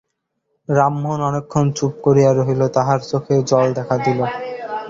রামমোহন অনেকক্ষণ চুপ করিয়া রহিল, তাহার চোখে জল দেখা দিল।